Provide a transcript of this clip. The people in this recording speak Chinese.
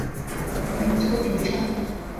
本作主角。